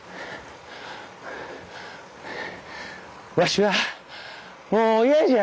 わしはもう嫌じゃ。